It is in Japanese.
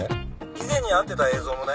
以前に会ってた映像もね。